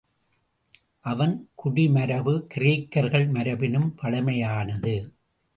அவன் குடிமரபு கிரேக்கர்கள் மரபினும் பழமையானது.